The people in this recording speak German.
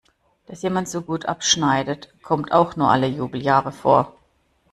Dass jemand so gut abschneidet, kommt auch nur alle Jubeljahre vor.